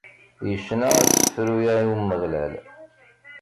Icna asefru-a i Umeɣlal.